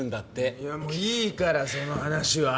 いやもういいからその話は！